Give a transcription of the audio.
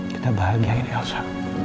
kita bahagia ya elsa